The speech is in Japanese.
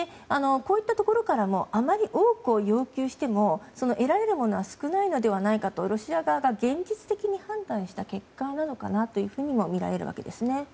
こういったところからもあまり多くを要求しても得られるものは少ないのではないかとロシア側が現実的に判断した結果なのかなというふうにもみられるわけですね。